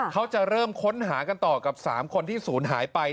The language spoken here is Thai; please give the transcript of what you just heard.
เขาจะเริ่มค้นหากันต่อกับ๓คนที่ศูนย์หายไป